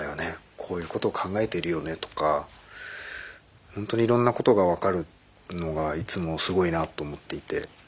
こういうことを考えているよねとかほんとにいろんなことが分かるのがいつもすごいなと思っていて。